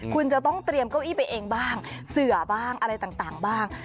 คุณจะต้องเตรียมเก้าอี้ไปเองบ้างเสือบ้างอะไรต่างบ้าง